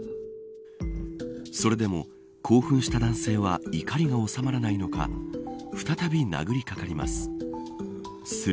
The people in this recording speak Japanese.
それでも興奮した男性は怒りが収まらないのか再び殴りかかります。